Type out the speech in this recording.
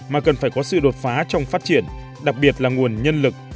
mà cần phải có sự đột phá trong phát triển đặc biệt là nguồn nhân lực